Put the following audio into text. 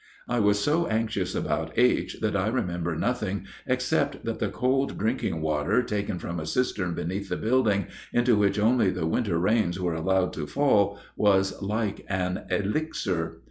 I was so anxious about H. that I remember nothing except that the cold drinking water taken from a cistern beneath the building, into which only the winter rains were allowed to fall, was like an elixir.